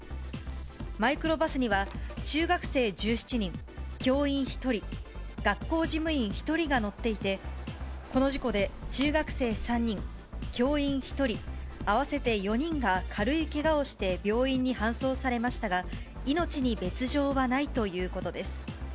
マイクロバスには、中学生１７人、教員１人、学校事務員１人が乗っていて、この事故で中学生３人、教員１人、合わせて４人が軽いけがをして、病院に搬送されましたが、命に別状はないということです。